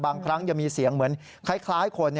บางครั้งยังมีเสียงเหมือนคล้ายคน